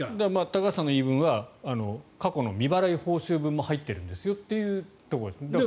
高橋さんの言い分は過去の未払い報酬分も入っているんですよっていうところですね。